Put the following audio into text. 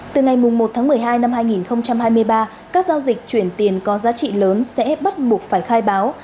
từ ngày một tháng một mươi hai năm hai nghìn hai mươi ba các giao dịch chuyển tiền có giá trị lớn sẽ bắt buộc phải khai báo